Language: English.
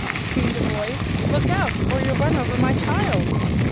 screamed a voice. "Look out, or you'll run over my child!"